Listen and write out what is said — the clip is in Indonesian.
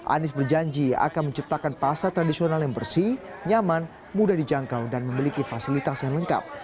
anies berjanji akan menciptakan pasar tradisional yang bersih nyaman mudah dijangkau dan memiliki fasilitas yang lengkap